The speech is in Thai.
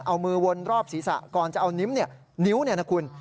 เอามือวนรอบศีรษะก่อนจะเอานิ้วนะคุณ